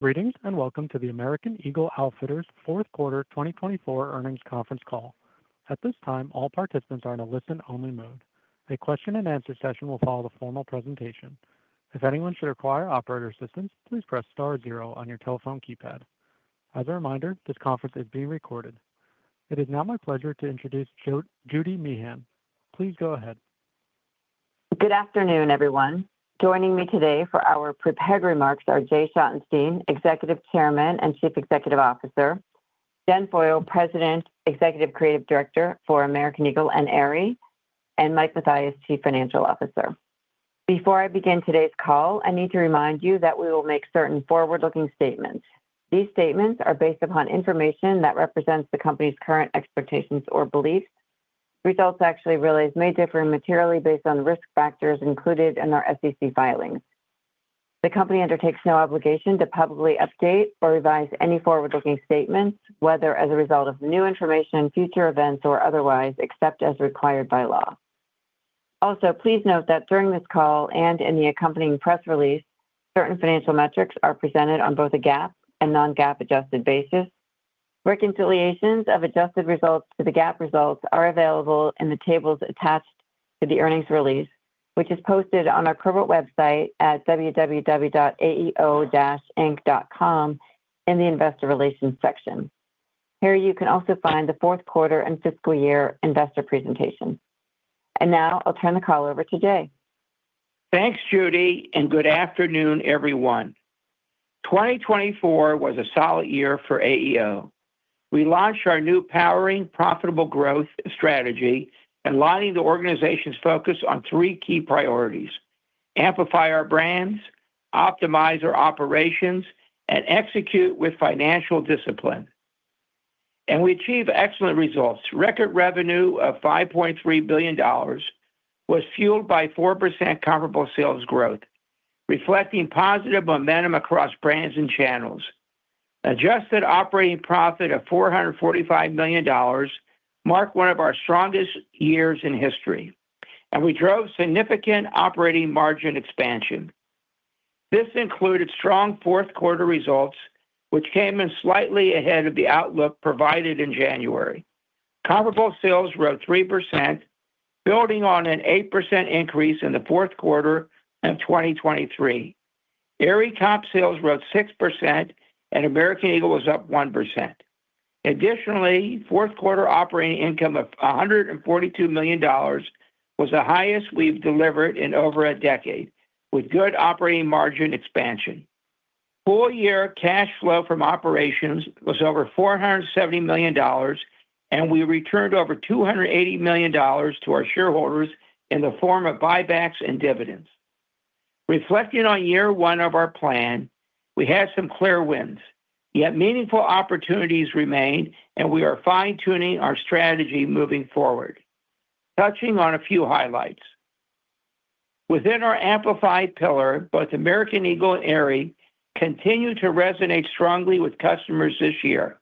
Greetings and welcome to the American Eagle Outfitters Fourth Quarter 2024 Earnings Conference Call. At this time, all participants are in a listen-only mode. A question-and-answer session will follow the formal presentation. If anyone should require operator assistance, please press star zero on your telephone keypad. As a reminder, this conference is being recorded. It is now my pleasure to introduce Judy Meehan. Please go ahead. Good afternoon, everyone. Joining me today for our prepared remarks are Jay Schottenstein, Executive Chairman and Chief Executive Officer; Jen Foyle, President, Executive Creative Director for American Eagle and Aerie; and Mike Mathias, Chief Financial Officer. Before I begin today's call, I need to remind you that we will make certain forward-looking statements. These statements are based upon information that represents the company's current expectations or beliefs. Results actually may differ materially based on risk factors included in our SEC filings. The company undertakes no obligation to publicly update or revise any forward-looking statements, whether as a result of new information, future events, or otherwise, except as required by law. Also, please note that during this call and in the accompanying press release, certain financial metrics are presented on both a GAAP and non-GAAP adjusted basis. Reconciliations of adjusted results to the GAAP results are available in the tables attached to the earnings release, which is posted on our corporate website at www.aeo-inc.com in the Investor Relations section. Here you can also find the fourth quarter and fiscal year investor presentation. Now I'll turn the call over to Jay. Thanks, Judy, and good afternoon, everyone. 2024 was a solid year for AEO. We launched our new Powering Profitable Growth strategy, aligning the organization's focus on three key priorities: amplify our brands, optimize our operations, and execute with financial discipline. We achieved excellent results. Record revenue of $5.3 billion was fueled by 4% comparable sales growth, reflecting positive momentum across brands and channels. Adjusted operating profit of $445 million marked one of our strongest years in history, and we drove significant operating margin expansion. This included strong fourth quarter results, which came in slightly ahead of the outlook provided in January. Comparable sales grew 3%, building on an 8% increase in the fourth quarter of 2023. Aerie top sales grew 6%, and American Eagle was up 1%. Additionally, fourth quarter operating income of $142 million was the highest we have delivered in over a decade, with good operating margin expansion. Full-year cash flow from operations was over $470 million, and we returned over $280 million to our shareholders in the form of buybacks and dividends. Reflecting on year one of our plan, we had some clear wins, yet meaningful opportunities remained, and we are fine-tuning our strategy moving forward. Touching on a few highlights, within our amplified pillar, both American Eagle and Aerie continue to resonate strongly with customers this year,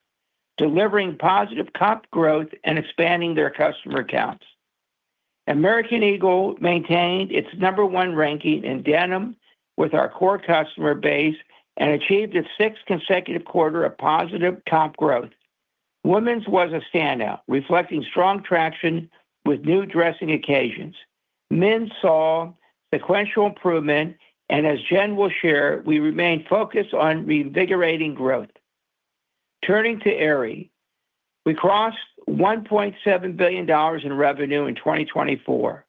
delivering positive comp growth and expanding their customer accounts. American Eagle maintained its number one ranking in denim with our core customer base and achieved a sixth consecutive quarter of positive comp growth. Women's was a standout, reflecting strong traction with new dressing occasions. Men saw sequential improvement, and as Jen will share, we remained focused on reinvigorating growth. Turning to Aerie, we crossed $1.7 billion in revenue in 2024.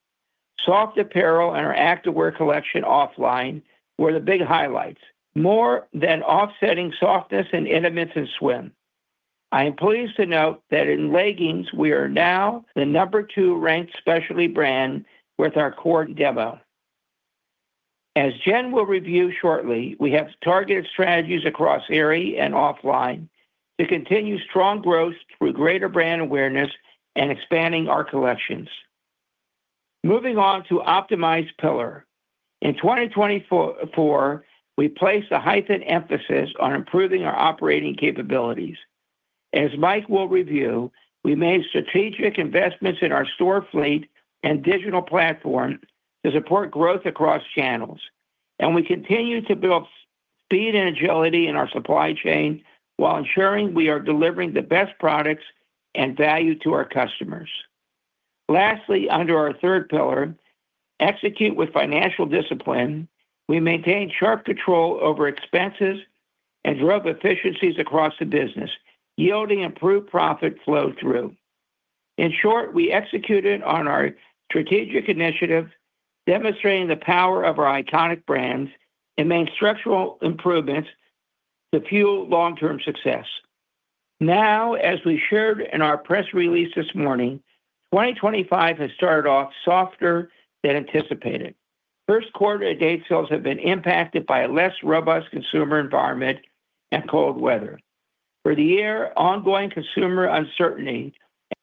Soft apparel and our activewear collection Offline were the big highlights, more than offsetting softness in intimates and swim. I am pleased to note that in leggings, we are now the number two ranked specialty brand with our core demo. As Jen will review shortly, we have targeted strategies across Aerie and Offline to continue strong growth through greater brand awareness and expanding our collections. Moving on to optimized pillar. In 2024, we placed a heightened emphasis on improving our operating capabilities. As Mike will review, we made strategic investments in our store fleet and digital platform to support growth across channels. We continue to build speed and agility in our supply chain while ensuring we are delivering the best products and value to our customers. Lastly, under our third pillar, execute with financial discipline, we maintained sharp control over expenses and drove efficiencies across the business, yielding improved profit flow through. In short, we executed on our strategic initiative, demonstrating the power of our iconic brands, and made structural improvements to fuel long-term success. Now, as we shared in our press release this morning, 2025 has started off softer than anticipated. First quarter to date sales have been impacted by a less robust consumer environment and cold weather. For the year, ongoing consumer uncertainty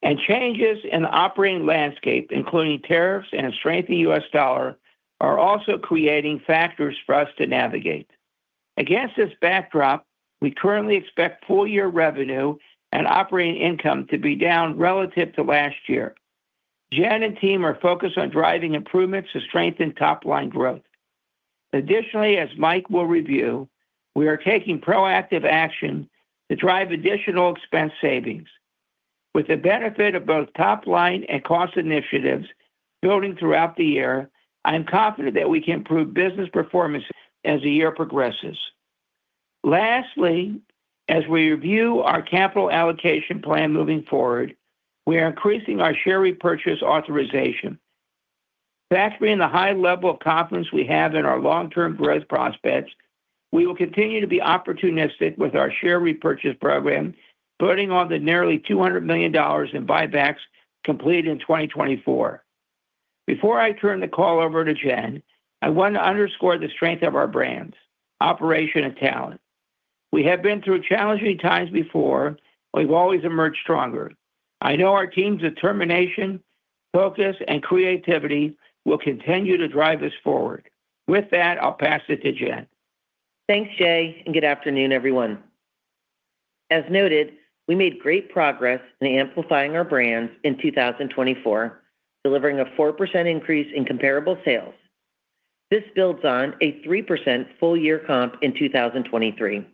and changes in the operating landscape, including tariffs and a strengthened U.S. dollar, are also creating factors for us to navigate. Against this backdrop, we currently expect full-year revenue and operating income to be down relative to last year. Jen and team are focused on driving improvements to strengthen top-line growth. Additionally, as Mike will review, we are taking proactive action to drive additional expense savings. With the benefit of both top-line and cost initiatives building throughout the year, I'm confident that we can improve business performance as the year progresses. Lastly, as we review our capital allocation plan moving forward, we are increasing our share repurchase authorization. Factoring the high level of confidence we have in our long-term growth prospects, we will continue to be opportunistic with our share repurchase program, putting on the nearly $200 million in buybacks completed in 2024. Before I turn the call over to Jen, I want to underscore the strength of our brands, operation, and talent. We have been through challenging times before, but we've always emerged stronger. I know our team's determination, focus, and creativity will continue to drive us forward. With that, I'll pass it to Jen. Thanks, Jay, and good afternoon, everyone. As noted, we made great progress in amplifying our brands in 2024, delivering a 4% increase in comparable sales. This builds on a 3% full-year comp in 2023.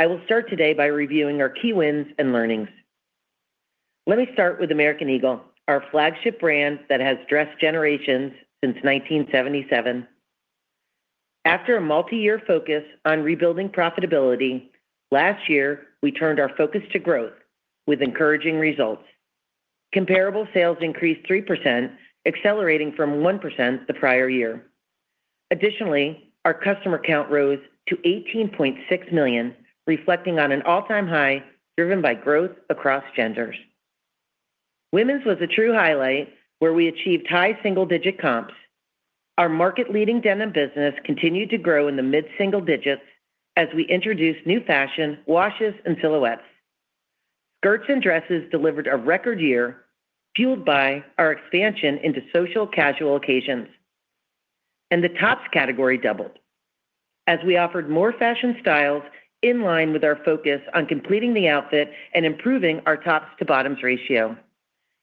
I will start today by reviewing our key wins and learnings. Let me start with American Eagle, our flagship brand that has dressed generations since 1977. After a multi-year focus on rebuilding profitability, last year, we turned our focus to growth with encouraging results. Comparable sales increased 3%, accelerating from 1% the prior year. Additionally, our customer count rose to 18.6 million, reflecting on an all-time high driven by growth across genders. Women's was a true highlight, where we achieved high single-digit comps. Our market-leading denim business continued to grow in the mid-single digits as we introduced new fashion washes and silhouettes. Skirts and dresses delivered a record year, fueled by our expansion into social casual occasions. The tops category doubled as we offered more fashion styles in line with our focus on completing the outfit and improving our tops-to-bottoms ratio.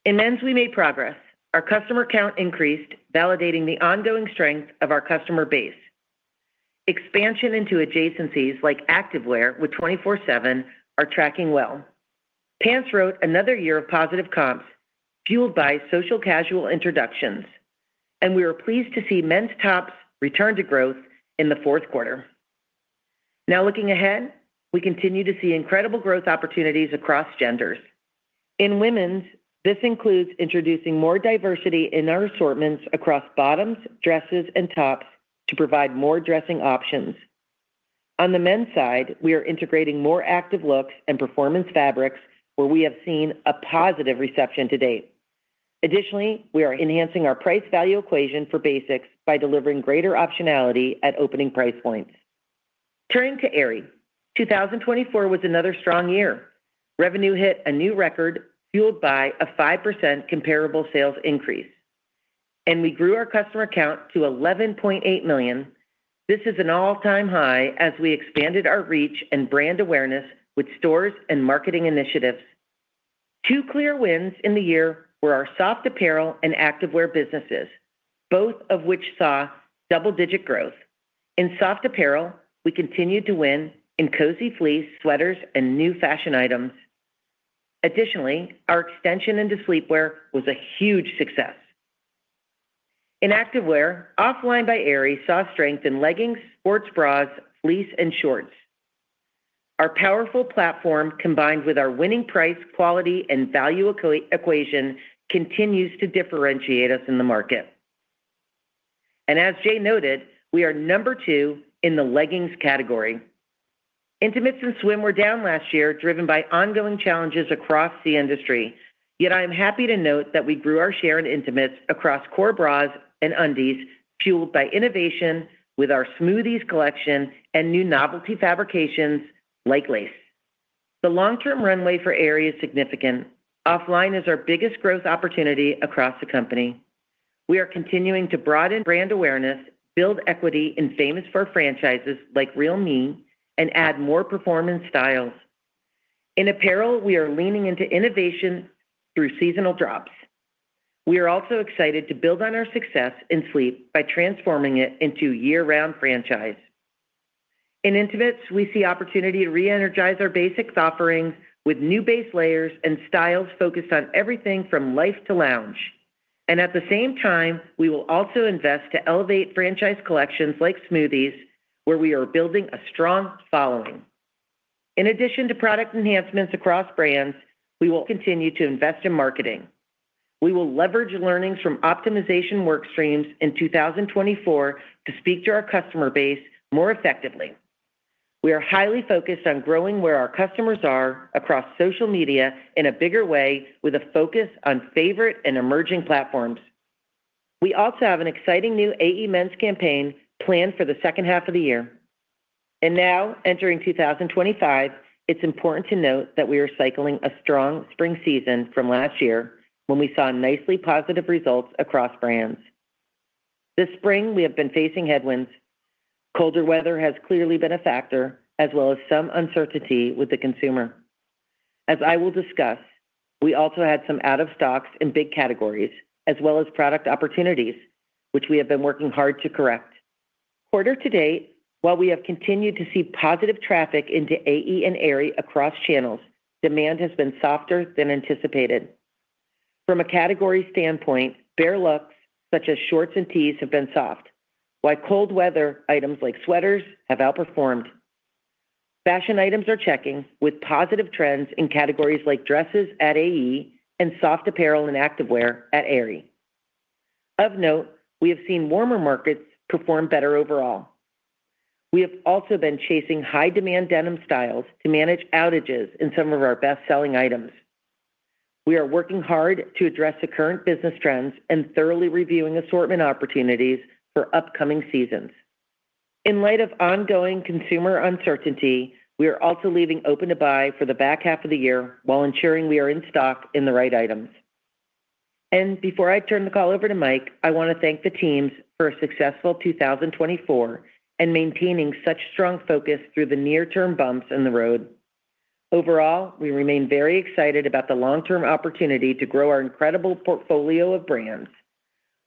In men's, we made progress. Our customer count increased, validating the ongoing strength of our customer base. Expansion into adjacencies like activewear with 24/7 are tracking well. Pants wrote another year of positive comps, fueled by social casual introductions. We were pleased to see men's tops return to growth in the fourth quarter. Now, looking ahead, we continue to see incredible growth opportunities across genders. In women's, this includes introducing more diversity in our assortments across bottoms, dresses, and tops to provide more dressing options. On the men's side, we are integrating more active looks and performance fabrics, where we have seen a positive reception to date. Additionally, we are enhancing our price value equation for basics by delivering greater optionality at opening price points. Turning to Aerie, 2024 was another strong year. Revenue hit a new record, fueled by a 5% comparable sales increase. We grew our customer count to 11.8 million. This is an all-time high as we expanded our reach and brand awareness with stores and marketing initiatives. Two clear wins in the year were our soft apparel and activewear businesses, both of which saw double-digit growth. In soft apparel, we continued to win in cozy fleece, sweaters, and new fashion items. Additionally, our extension into sleepwear was a huge success. In activewear, Offline by Aerie saw strength in leggings, sports bras, fleece, and shorts. Our powerful platform, combined with our winning price, quality, and value equation, continues to differentiate us in the market. As Jay noted, we are number two in the leggings category. Intimates and swim were down last year, driven by ongoing challenges across the industry. Yet I am happy to note that we grew our share in intimates across core bras and undies, fueled by innovation with our SMOOTHEZ collection and new novelty fabrications like lace. The long-term runway for Aerie is significant. Offline is our biggest growth opportunity across the company. We are continuing to broaden brand awareness, build equity, and are famous for franchises like Real Me and add more performance styles. In apparel, we are leaning into innovation through seasonal drops. We are also excited to build on our success in sleepwear by transforming it into a year-round franchise. In intimates, we see opportunity to re-energize our basics offerings with new base layers and styles focused on everything from life to lounge. At the same time, we will also invest to elevate franchise collections like SMOOTHEZ, where we are building a strong following. In addition to product enhancements across brands, we will continue to invest in marketing. We will leverage learnings from optimization workstreams in 2024 to speak to our customer base more effectively. We are highly focused on growing where our customers are across social media in a bigger way, with a focus on favorite and emerging platforms. We also have an exciting new AE men's campaign planned for the second half of the year. Now, entering 2025, it is important to note that we are cycling a strong spring season from last year, when we saw nicely positive results across brands. This spring, we have been facing headwinds. Colder weather has clearly been a factor, as well as some uncertainty with the consumer. As I will discuss, we also had some out-of-stocks in big categories, as well as product opportunities, which we have been working hard to correct. Quarter to date, while we have continued to see positive traffic into AE and Aerie across channels, demand has been softer than anticipated. From a category standpoint, bare looks such as shorts and tees have been soft, while cold-weather items like sweaters have outperformed. Fashion items are checking, with positive trends in categories like dresses at AE and soft apparel and activewear at Aerie. Of note, we have seen warmer markets perform better overall. We have also been chasing high-demand denim styles to manage outages in some of our best-selling items. We are working hard to address the current business trends and thoroughly reviewing assortment opportunities for upcoming seasons. In light of ongoing consumer uncertainty, we are also leaving open to buy for the back half of the year while ensuring we are in stock in the right items. Before I turn the call over to Mike, I want to thank the teams for a successful 2024 and maintaining such strong focus through the near-term bumps in the road. Overall, we remain very excited about the long-term opportunity to grow our incredible portfolio of brands.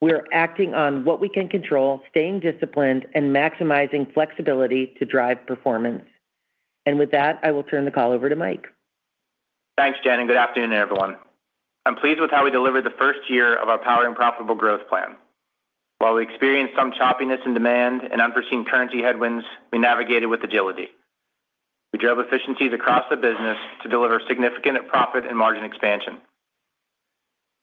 We are acting on what we can control, staying disciplined, and maximizing flexibility to drive performance. With that, I will turn the call over to Mike. Thanks, Jen, and good afternoon, everyone. I'm pleased with how we delivered the first year of our Power and Profitable Growth Plan. While we experienced some choppiness in demand and unforeseen currency headwinds, we navigated with agility. We drove efficiencies across the business to deliver significant profit and margin expansion.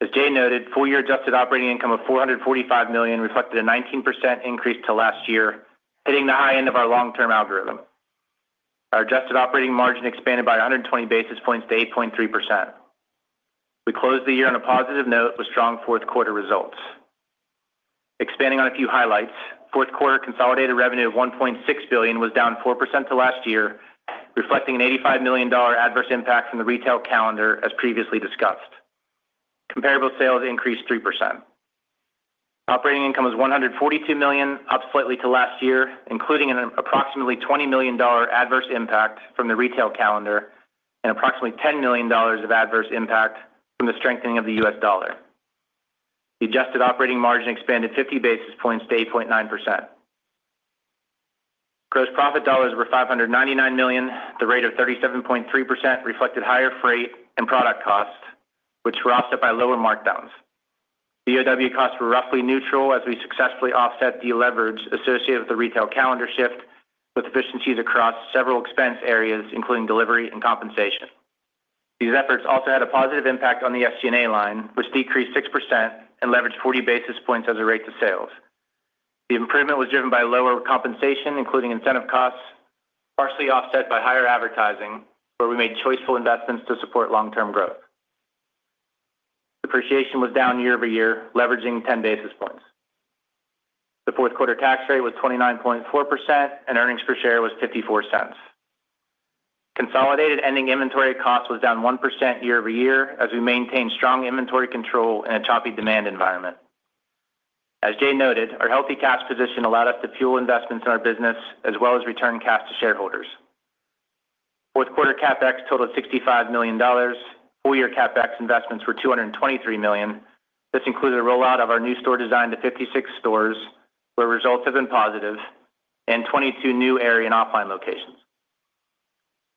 As Jay noted, full-year adjusted operating income of $445 million reflected a 19% increase to last year, hitting the high end of our long-term algorithm. Our adjusted operating margin expanded by 120 basis points to 8.3%. We closed the year on a positive note with strong fourth-quarter results. Expanding on a few highlights, fourth-quarter consolidated revenue of $1.6 billion was down 4% to last year, reflecting an $85 million adverse impact from the retail calendar, as previously discussed. Comparable sales increased 3%. Operating income was $142 million, up slightly to last year, including an approximately $20 million adverse impact from the retail calendar and approximately $10 million of adverse impact from the strengthening of the U.S. dollar. The adjusted operating margin expanded 50 basis points to 8.9%. Gross profit dollars were $599 million. The rate of 37.3% reflected higher freight and product costs, which were offset by lower markdowns. DOW costs were roughly neutral as we successfully offset deleverage associated with the retail calendar shift, with efficiencies across several expense areas, including delivery and compensation. These efforts also had a positive impact on the SG&A line, which decreased 6% and leveraged 40 basis points as a rate to sales. The improvement was driven by lower compensation, including incentive costs, partially offset by higher advertising, where we made choiceful investments to support long-term growth. Depreciation was down year over year, leveraging 10 basis points. The fourth-quarter tax rate was 29.4%, and earnings per share was $0.54. Consolidated ending inventory costs was down 1% year over year as we maintained strong inventory control in a choppy demand environment. As Jay noted, our healthy cash position allowed us to fuel investments in our business, as well as return cash to shareholders. Fourth-quarter CapEx totaled $65 million. Full-year CapEx investments were $223 million. This included a rollout of our new store design to 56 stores, where results have been positive, and 22 new Aerie and Offline locations.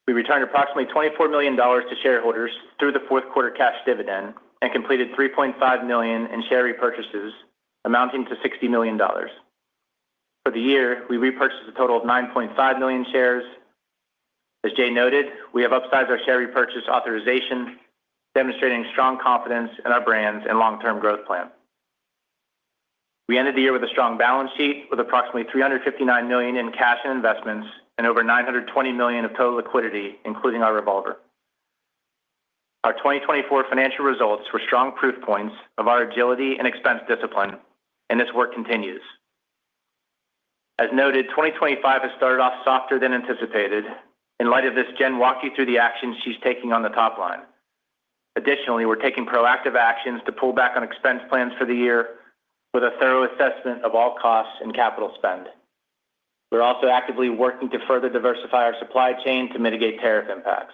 We returned approximately $24 million to shareholders through the fourth-quarter cash dividend and completed $3.5 million in share repurchases, amounting to $60 million. For the year, we repurchased a total of 9.5 million shares. As Jay noted, we have upsized our share repurchase authorization, demonstrating strong confidence in our brands and long-term growth plan. We ended the year with a strong balance sheet, with approximately $359 million in cash and investments and over $920 million of total liquidity, including our revolver. Our 2024 financial results were strong proof points of our agility and expense discipline, and this work continues. As noted, 2025 has started off softer than anticipated. In light of this, Jen will walk you through the actions she's taking on the top line. Additionally, we're taking proactive actions to pull back on expense plans for the year, with a thorough assessment of all costs and capital spend. We're also actively working to further diversify our supply chain to mitigate tariff impacts.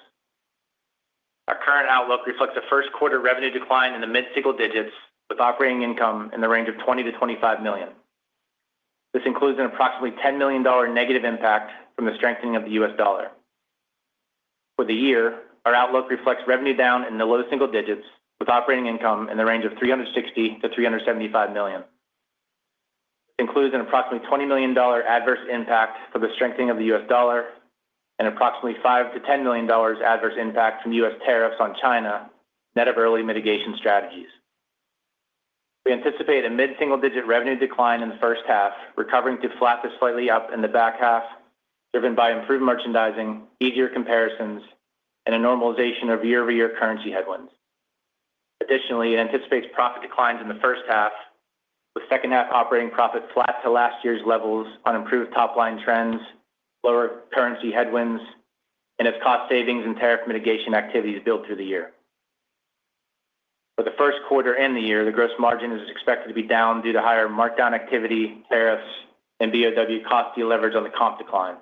Our current outlook reflects a first-quarter revenue decline in the mid-single digits, with operating income in the range of $20-$25 million. This includes an approximately $10 million negative impact from the strengthening of the U.S. dollar. For the year, our outlook reflects revenue down in the low single digits, with operating income in the range of $360-$375 million. It includes an approximately $20 million adverse impact for the strengthening of the U.S. dollar and approximately $5-$10 million adverse impact from U.S. tariffs on China net of early mitigation strategies. We anticipate a mid-single digit revenue decline in the first half, recovering to flat to slightly up in the back half, driven by improved merchandising, easier comparisons, and a normalization of year-over-year currency headwinds. Additionally, it anticipates profit declines in the first half, with second-half operating profit flat to last year's levels on improved top-line trends, lower currency headwinds, and its cost savings and tariff mitigation activities build through the year. For the first quarter and the year, the gross margin is expected to be down due to higher markdown activity, tariffs, and BOW cost deleverage on the comp decline.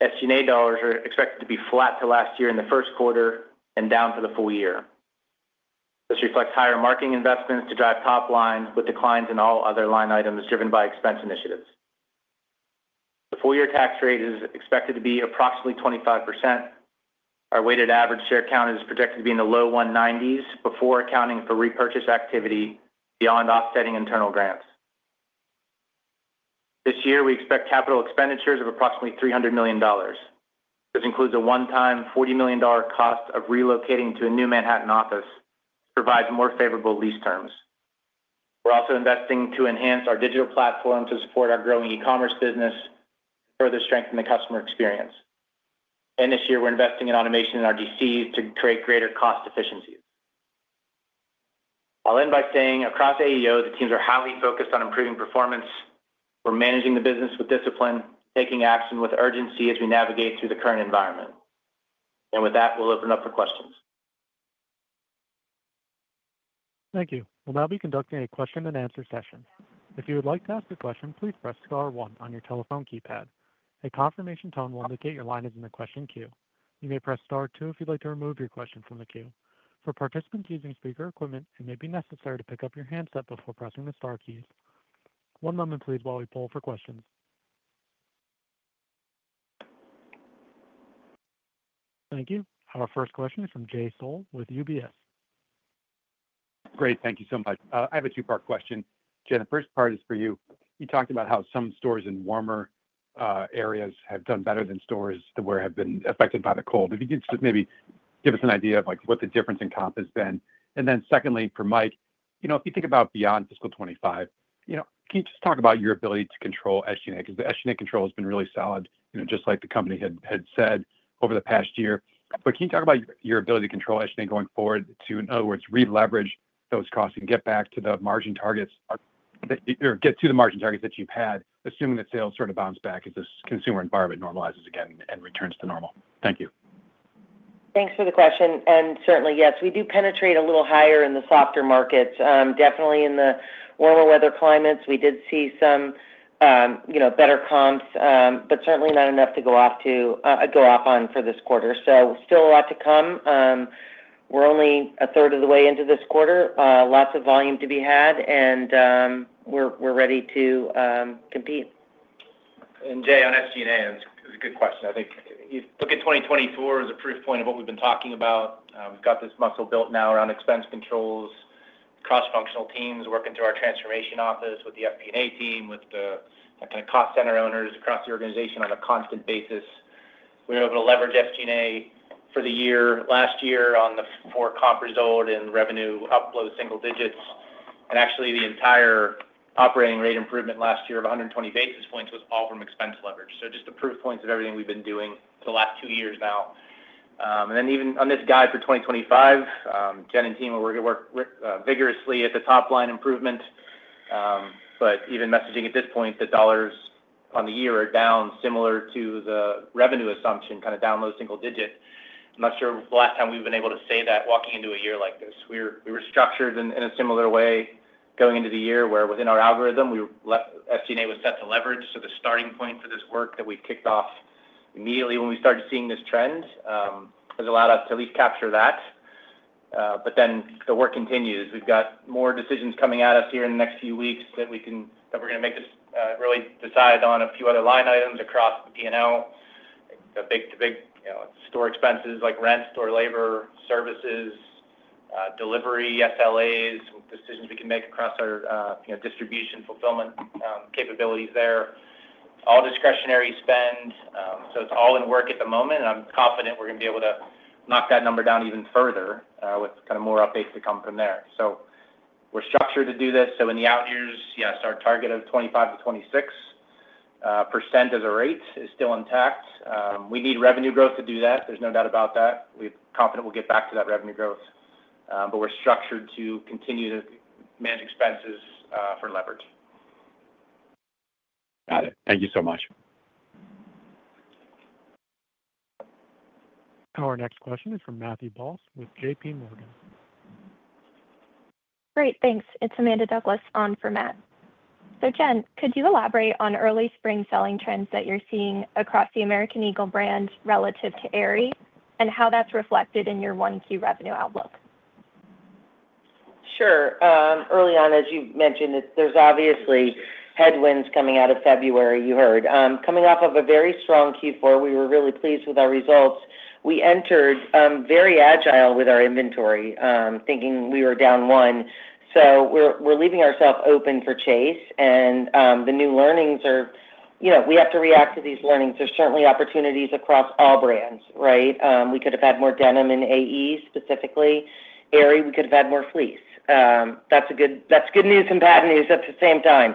SG&A dollars are expected to be flat to last year in the first quarter and down for the full year. This reflects higher marketing investments to drive top line, with declines in all other line items driven by expense initiatives. The full-year tax rate is expected to be approximately 25%. Our weighted average share count is projected to be in the low 190s before accounting for repurchase activity beyond offsetting internal grants. This year, we expect capital expenditures of approximately $300 million. This includes a one-time $40 million cost of relocating to a new Manhattan office, which provides more favorable lease terms. We are also investing to enhance our digital platform to support our growing e-commerce business and further strengthen the customer experience. This year, we are investing in automation in our DCs to create greater cost efficiencies. I will end by saying across AEO, the teams are highly focused on improving performance. We are managing the business with discipline, taking action with urgency as we navigate through the current environment. With that, we will open up for questions. Thank you. We'll now be conducting a question-and-answer session. If you would like to ask a question, please press star one on your telephone keypad. A confirmation tone will indicate your line is in the question queue. You may press star two if you'd like to remove your question from the queue. For participants using speaker equipment, it may be necessary to pick up your handset before pressing the star keys. One moment, please, while we pull for questions. Thank you. Our first question is from Jay Sole with UBS. Great. Thank you so much. I have a two-part question, Jen, the first part is for you. You talked about how some stores in warmer areas have done better than stores where they have been affected by the cold. If you could just maybe give us an idea of what the difference in comp has been. Secondly, for Mike, if you think about beyond fiscal 2025, can you just talk about your ability to control SG&A? Because the SG&A control has been really solid, just like the company had said over the past year. Can you talk about your ability to control SG&A going forward to, in other words, re-leverage those costs and get back to the margin targets or get to the margin targets that you've had, assuming that sales sort of bounce back as this consumer environment normalizes again and returns to normal? Thank you. Thanks for the question. Certainly, yes, we do penetrate a little higher in the softer markets. Definitely in the warmer weather climates, we did see some better comps, but certainly not enough to go off on for this quarter. Still a lot to come. We're only a third of the way into this quarter. Lots of volume to be had, and we're ready to compete. Jay, on SG&A, it's a good question. I think look at 2024 as a proof point of what we've been talking about. We've got this muscle built now around expense controls, cross-functional teams working through our transformation office with the FP&A team, with the kind of cost center owners across the organization on a constant basis. We were able to leverage SG&A for the year. Last year, on the four-comp result and revenue upload single digits, and actually the entire operating rate improvement last year of 120 basis points was all from expense leverage. Just the proof points of everything we've been doing for the last two years now. Even on this guide for 2025, Jen and team are working vigorously at the top line improvement. Even messaging at this point, the dollars on the year are down, similar to the revenue assumption, kind of down low single digit. I'm not sure the last time we've been able to say that walking into a year like this. We were structured in a similar way going into the year where within our algorithm, SG&A was set to leverage. The starting point for this work that we've kicked off immediately when we started seeing this trend has allowed us to at least capture that. The work continues. We've got more decisions coming at us here in the next few weeks that are going to make us really decide on a few other line items across the P&L, the big store expenses like rent, store labor, services, delivery, SLAs, decisions we can make across our distribution fulfillment capabilities there, all discretionary spend. It's all in work at the moment, and I'm confident we're going to be able to knock that number down even further with kind of more updates to come from there. We're structured to do this. In the out years, yes, our target of 25-26% as a rate is still intact. We need revenue growth to do that. There's no doubt about that. We're confident we'll get back to that revenue growth. We're structured to continue to manage expenses for leverage. Got it. Thank you so much. Our next question is from Matthew Bels with JPMorgan. Great. Thanks. It's Amanda Douglas on for Matt. Jen, could you elaborate on early spring selling trends that you're seeing across the American Eagle brand relative to Aerie and how that's reflected in your one-key revenue outlook? Sure. Early on, as you mentioned, there's obviously headwinds coming out of February, you heard. Coming off of a very strong Q4, we were really pleased with our results. We entered very agile with our inventory, thinking we were down one. We are leaving ourselves open for chase. The new learnings are we have to react to these learnings. There's certainly opportunities across all brands, right? We could have had more denim in AE specifically. Aerie, we could have had more fleece. That's good news and bad news at the same time.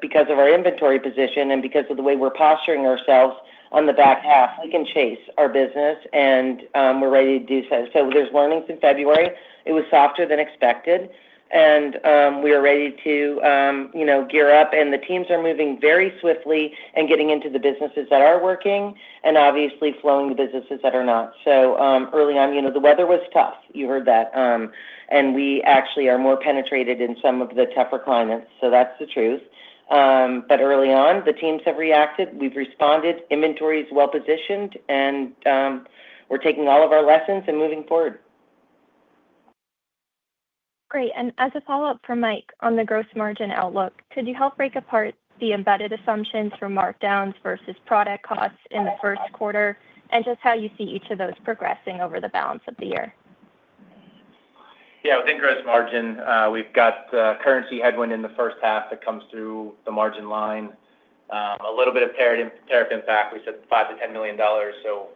Because of our inventory position and because of the way we're posturing ourselves on the back half, we can chase our business, and we're ready to do so. There's learnings in February. It was softer than expected, and we are ready to gear up. The teams are moving very swiftly and getting into the businesses that are working and obviously flowing the businesses that are not. Early on, the weather was tough. You heard that. We actually are more penetrated in some of the tougher clients. That is the truth. Early on, the teams have reacted. We have responded. Inventory is well positioned, and we are taking all of our lessons and moving forward. Great. As a follow-up from Mike on the gross margin outlook, could you help break apart the embedded assumptions for markdowns versus product costs in the first quarter and just how you see each of those progressing over the balance of the year? Yeah. Within gross margin, we've got currency headwind in the first half that comes through the margin line. A little bit of tariff impact. We said $5 million-$10 million. So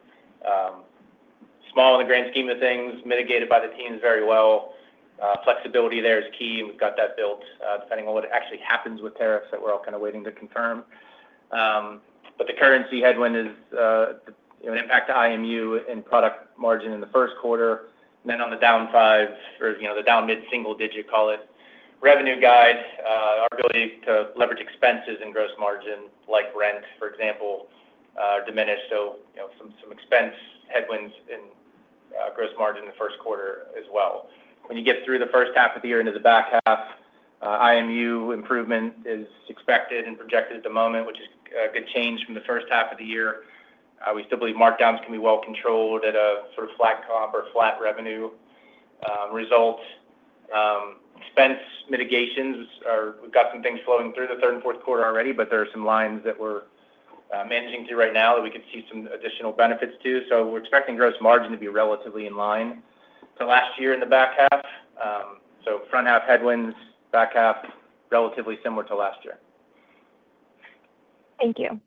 small in the grand scheme of things, mitigated by the teams very well. Flexibility there is key. We've got that built depending on what actually happens with tariffs that we're all kind of waiting to confirm. The currency headwind is an impact to IMU and product margin in the first quarter. Then on the down five, or the down mid-single digit, call it revenue guide, our ability to leverage expenses and gross margin like rent, for example, diminished. Some expense headwinds in gross margin in the first quarter as well. When you get through the first half of the year into the back half, IMU improvement is expected and projected at the moment, which is a good change from the first half of the year. We still believe markdowns can be well controlled at a sort of flat comp or flat revenue result. Expense mitigations, we've got some things flowing through the third and fourth quarter already, but there are some lines that we're managing through right now that we could see some additional benefits to. We are expecting gross margin to be relatively in line to last year in the back half. Front half headwinds, back half relatively similar to last year. Thank you.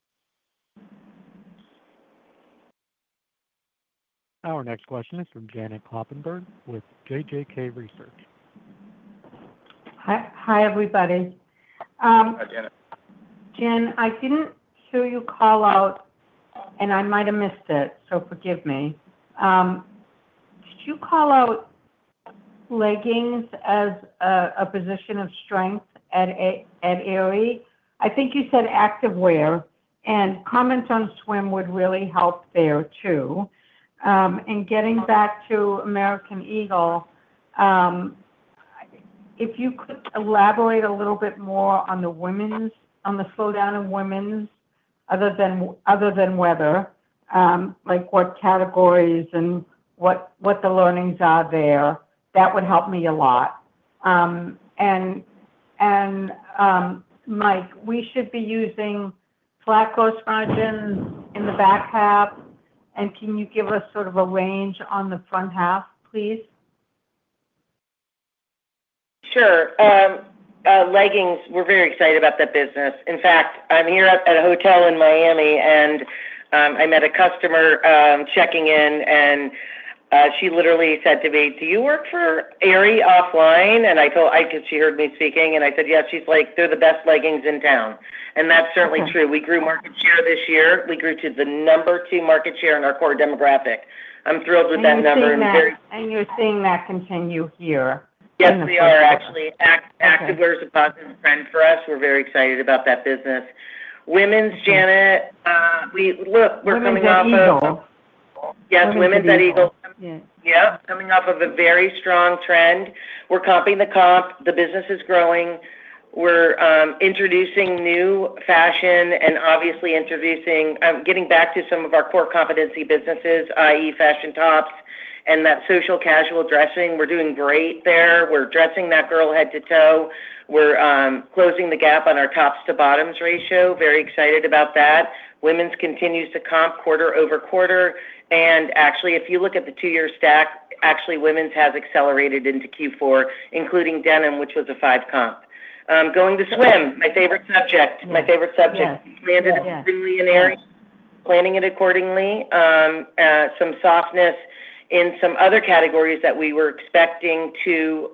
Our next question is from Janet Kloppenburg with JJK Research. Hi, everybody. Hi, Janet. Jen, I didn't hear you call out, and I might have missed it, so forgive me. Did you call out leggings as a position of strength at Aerie? I think you said activewear, and comments on swim would really help there too. Getting back to American Eagle, if you could elaborate a little bit more on the women's on the slowdown in women's other than weather, like what categories and what the learnings are there, that would help me a lot. Mike, we should be using flat gross margin in the back half. Can you give us sort of a range on the front half, please? Sure. Leggings, we're very excited about that business. In fact, I'm here at a hotel in Miami, and I met a customer checking in, and she literally said to me, "Do you work for Aerie Offline?" I told, because she heard me speaking, and I said, "Yes." She's like, "They're the best leggings in town." That is certainly true. We grew market share this year. We grew to the number two market share in our core demographic. I'm thrilled with that number. You're seeing that continue here. Yes, we are, actually. Activewear is a positive trend for us. We're very excited about that business. Women's, Janet, look, we're coming off of. Women's at Eagle. Yes, women's at Eagle. Yeah. Yep. Coming off of a very strong trend. We're comping the comp. The business is growing. We're introducing new fashion and obviously introducing getting back to some of our core competency businesses, i.e., fashion tops and that social casual dressing. We're doing great there. We're dressing that girl head to toe. We're closing the gap on our tops to bottoms ratio. Very excited about that. Women's continues to comp quarter over quarter. Actually, if you look at the two-year stack, actually women's has accelerated into Q4, including denim, which was a five-comp. Going to swim, my favorite subject. My favorite subject. Yeah. Planning it accordingly. Some softness in some other categories that we were expecting to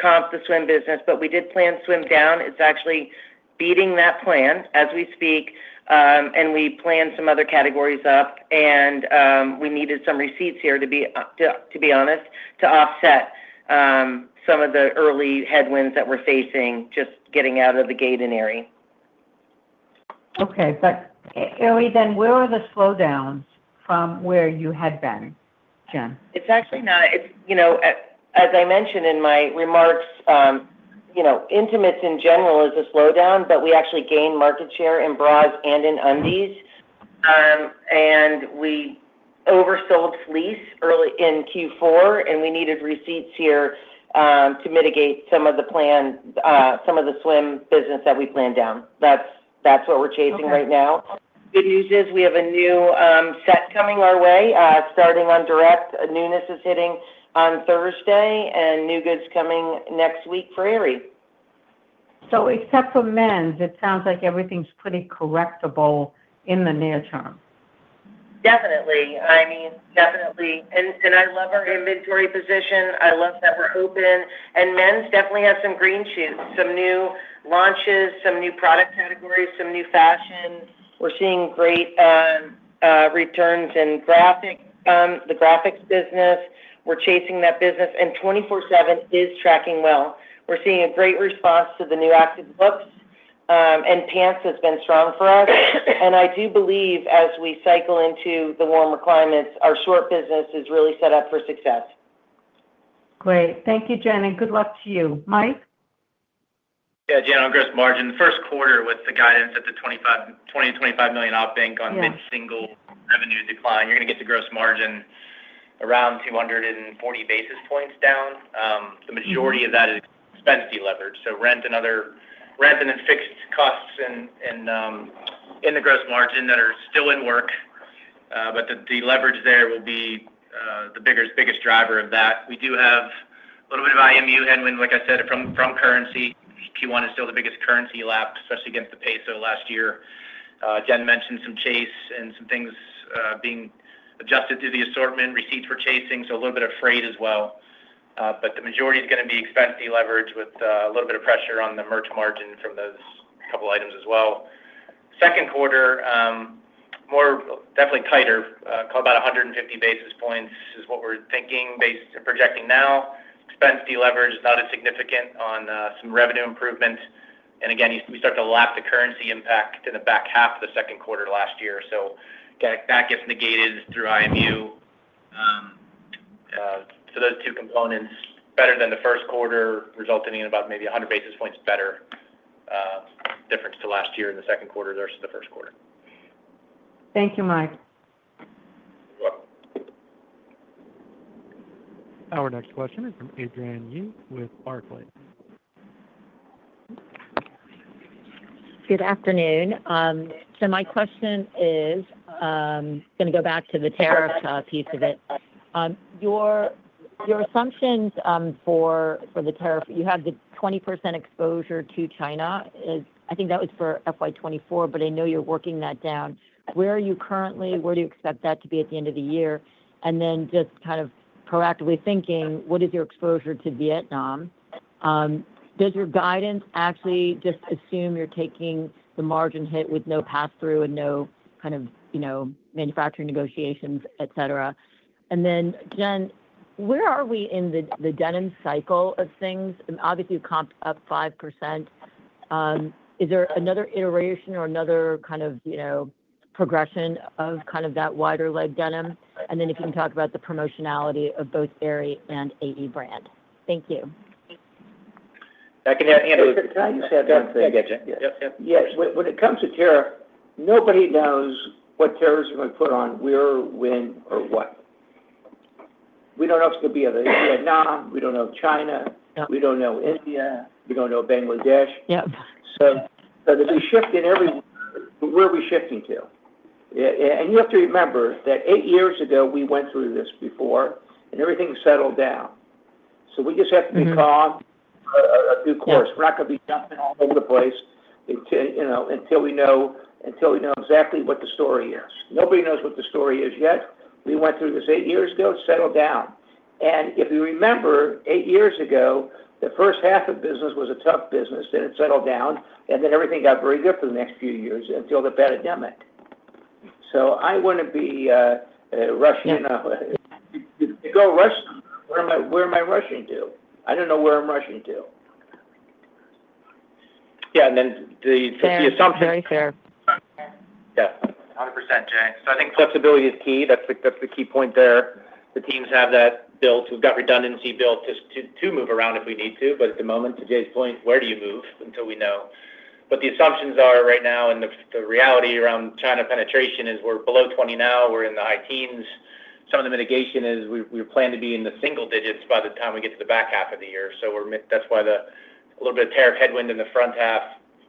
comp the swim business, but we did plan swim down. It's actually beating that plan as we speak. We planned some other categories up. We needed some receipts here, to be honest, to offset some of the early headwinds that we're facing just getting out of the gate in Aerie. Okay. Aerie, then where are the slowdowns from where you had been, Jen? It's actually not as I mentioned in my remarks, intimates in general is a slowdown, but we actually gained market share in bras and in undies. We oversold fleece early in Q4, and we needed receipts here to mitigate some of the swim business that we planned down. That's what we're chasing right now. Good news is we have a new set coming our way, starting on direct. A newness is hitting on Thursday, and new goods coming next week for Aerie. Except for men's, it sounds like everything's pretty correctable in the near term. Definitely. I mean, definitely. I love our inventory position. I love that we're open. Men's definitely has some green shoots, some new launches, some new product categories, some new fashion. We're seeing great returns in the graphics business. We're chasing that business. 24/7 is tracking well. We're seeing a great response to the new active looks. Pants has been strong for us. I do believe as we cycle into the warmer climates, our short business is really set up for success. Great. Thank you, Jen. And good luck to you. Mike? Yeah. Jen, on gross margin, the first quarter with the guidance at the $20-25 million outbank on mid-single revenue decline, you're going to get the gross margin around 240 basis points down. The majority of that is expense delivered. So rent and other rent and fixed costs in the gross margin that are still in work, but the leverage there will be the biggest driver of that. We do have a little bit of IMU headwind, like I said, from currency. Q1 is still the biggest currency lap, especially against the peso last year. Jen mentioned some chase and some things being adjusted through the assortment, receipts for chasing, so a little bit of freight as well. The majority is going to be expense deleverage with a little bit of pressure on the merch margin from those couple of items as well. Second quarter, definitely tighter, about 150 basis points is what we're thinking, projecting now. Expense deleverage is not as significant on some revenue improvement. Again, we start to lap the currency impact in the back half of the second quarter last year. That gets negated through IMU. Those two components, better than the first quarter, resulting in about maybe 100 basis points better difference to last year in the second quarter versus the first quarter. Thank you, Mike. You're welcome. Our next question is from Adrienne Yih with Barclays. Good afternoon. My question is going to go back to the tariff piece of it. Your assumptions for the tariff, you have the 20% exposure to China. I think that was for FY2024, but I know you're working that down. Where are you currently? Where do you expect that to be at the end of the year? Just kind of proactively thinking, what is your exposure to Vietnam? Does your guidance actually just assume you're taking the margin hit with no pass-through and no kind of manufacturing negotiations, etc.? Jen, where are we in the denim cycle of things? Obviously, you comped up 5%. Is there another iteration or another kind of progression of that wider leg denim? If you can talk about the promotionality of both Aerie and AE brand. Thank you. I can handle it. I'm so excited. Yep, yep. Yep. When it comes to tariff, nobody knows what tariffs are going to put on where, when, or what. We do not know if it is going to be Vietnam. We do not know China. We do not know India. We do not know Bangladesh. There is a shift in every where are we shifting to? You have to remember that eight years ago, we went through this before, and everything settled down. We just have to be calm, a new course. We are not going to be jumping all over the place until we know exactly what the story is. Nobody knows what the story is yet. We went through this eight years ago. It settled down. If you remember, eight years ago, the first half of business was a tough business, and it settled down, and then everything got very good for the next few years until the pandemic. I want to be rushing in a go rush. Where am I rushing to? I don't know where I'm rushing to. Yeah. And then the assumption. Very fair. Yeah. 100%, Jen. I think flexibility is key. That's the key point there. The teams have that built. We've got redundancy built to move around if we need to. At the moment, to Jay's point, where do you move until we know? The assumptions are right now, and the reality around China penetration is we're below 20 now. We're in the high teens. Some of the mitigation is we plan to be in the single digits by the time we get to the back half of the year. That's why a little bit of tariff headwind in the front half,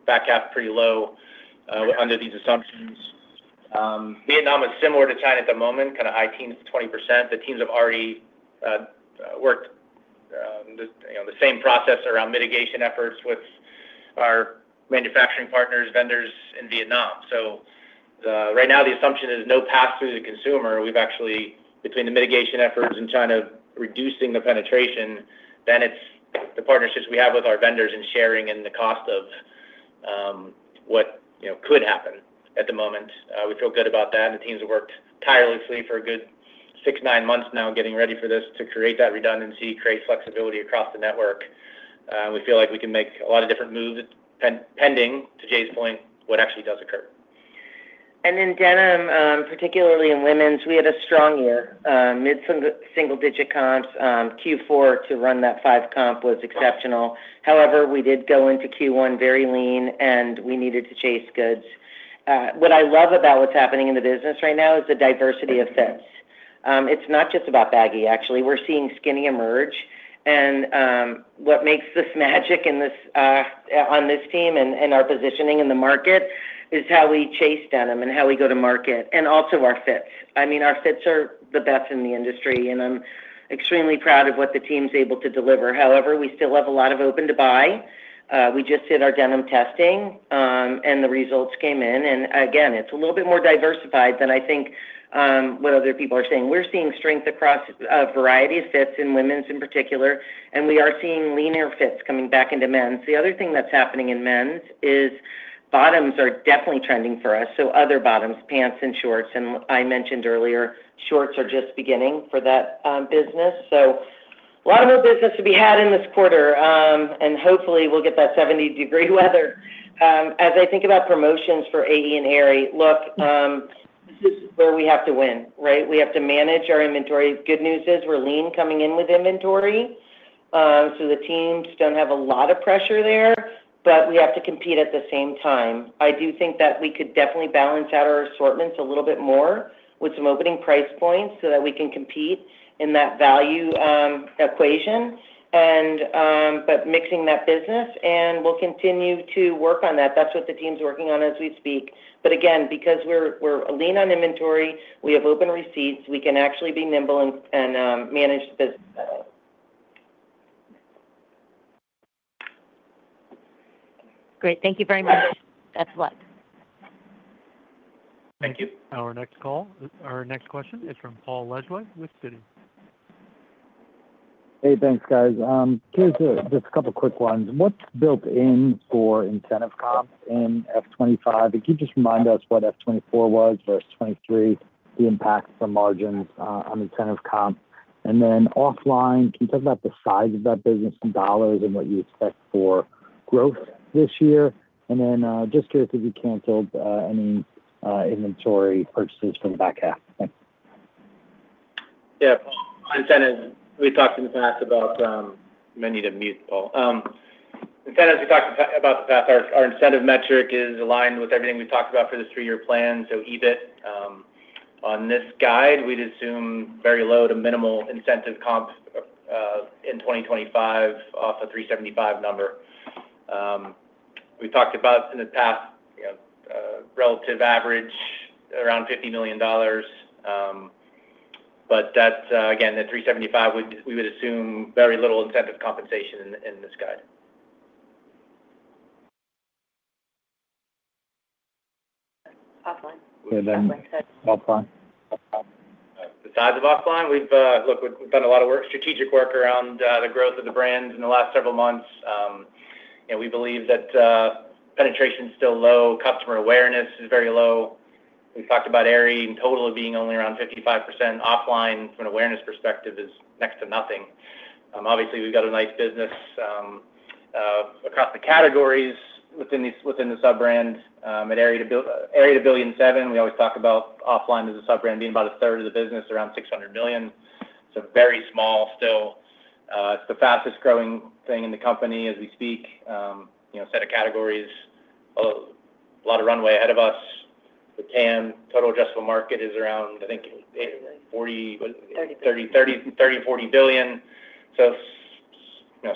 back half pretty low under these assumptions. Vietnam is similar to China at the moment, kind of high teens, 20%. The teams have already worked the same process around mitigation efforts with our manufacturing partners, vendors in Vietnam. Right now, the assumption is no pass-through to the consumer. We've actually, between the mitigation efforts in China reducing the penetration, then it's the partnerships we have with our vendors and sharing in the cost of what could happen at the moment. We feel good about that. The teams have worked tirelessly for a good six, nine months now, getting ready for this to create that redundancy, create flexibility across the network. We feel like we can make a lot of different moves, pending, to Jay's point, what actually does occur. In denim, particularly in women's, we had a strong year. Mid-single digit comps, Q4 to run that five-comp was exceptional. However, we did go into Q1 very lean, and we needed to chase goods. What I love about what's happening in the business right now is the diversity of fits. It's not just about baggy, actually. We're seeing skinny emerge. What makes this magic on this team and our positioning in the market is how we chase denim and how we go to market and also our fits. I mean, our fits are the best in the industry, and I'm extremely proud of what the team's able to deliver. However, we still have a lot of open to buy. We just did our denim testing, and the results came in. Again, it's a little bit more diversified than I think what other people are saying. We're seeing strength across a variety of fits in women's in particular, and we are seeing leaner fits coming back into men's. The other thing that's happening in men's is bottoms are definitely trending for us. Other bottoms, pants and shorts. I mentioned earlier, shorts are just beginning for that business. A lot of more business to be had in this quarter, and hopefully, we'll get that 70-degree weather. As I think about promotions for AE and Aerie, look, this is where we have to win, right? We have to manage our inventory. Good news is we're lean coming in with inventory, so the teams don't have a lot of pressure there, but we have to compete at the same time. I do think that we could definitely balance out our assortments a little bit more with some opening price points so that we can compete in that value equation, but mixing that business. We will continue to work on that. That is what the team's working on as we speak. Again, because we are lean on inventory, we have open receipts. We can actually be nimble and manage the business better. Great. Thank you very much. God bless. Thank you. Our next question is from Paul Lejuez with Citi. Hey, thanks, guys. Just a couple of quick ones. What's built in for incentive comps in F25? Can you just remind us what F24 was versus 2023, the impact from margins on incentive comp? Offline, can you talk about the size of that business in dollars and what you expect for growth this year? Just curious if you canceled any inventory purchases from the back half. Thanks. Yeah. Incentives, we talked in the past about many to mute, Paul. Incentives, we talked about the past. Our incentive metric is aligned with everything we've talked about for this three-year plan, so EBIT. On this guide, we'd assume very low to minimal incentive comp in 2025 off a 375 number. We've talked about in the past relative average around $50 million, but again, that 375, we would assume very little incentive compensation in this guide. OFFLINE. OFFLINE. The size of OFFLINE, look, we've done a lot of strategic work around the growth of the brand in the last several months. We believe that penetration is still low. Customer awareness is very low. We've talked about Aerie in total being only around 55%. OFFLINE, from an awareness perspective, is next to nothing. Obviously, we've got a nice business across the categories within the sub-brand. At Aerie to $2.7 billion, we always talk about OFFLINE as a sub-brand being about a third of the business, around $600 million. It's very small still. It's the fastest growing thing in the company as we speak. Set of categories, a lot of runway ahead of us. The TAM, total addressable market, is around, I think. $30 billion. $30 billion-$40 billion.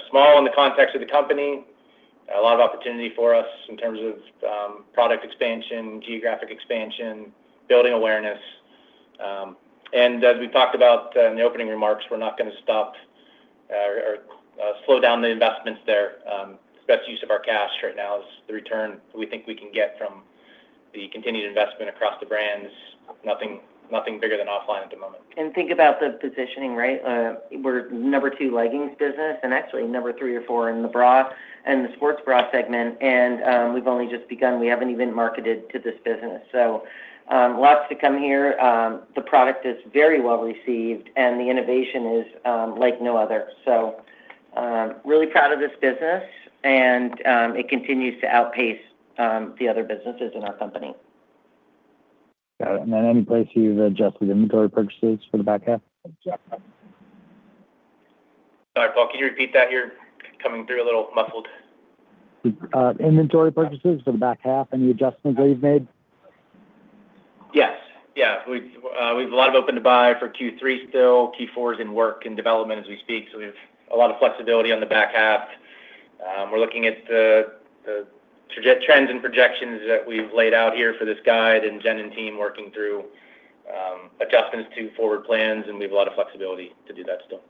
Small in the context of the company, a lot of opportunity for us in terms of product expansion, geographic expansion, building awareness. As we have talked about in the opening remarks, we are not going to stop or slow down the investments there. The best use of our cash right now is the return we think we can get from the continued investment across the brands. Nothing bigger than OFFLINE at the moment. Think about the positioning, right? We're number two leggings business and actually number three or four in the bra and the sports bra segment. And we've only just begun. We haven't even marketed to this business. Lots to come here. The product is very well received, and the innovation is like no other. Really proud of this business, and it continues to outpace the other businesses in our company. Got it. Any place you've adjusted inventory purchases for the back half? Sorry, Paul, can you repeat that? You're coming through a little muffled. Inventory purchases for the back half, any adjustments that you've made? Yes. Yeah. We have a lot of open to buy for Q3 still. Q4 is in work and development as we speak. We have a lot of flexibility on the back half. We are looking at the trends and projections that we have laid out here for this guide and Jen and team working through adjustments to forward plans, and we have a lot of flexibility to do that still.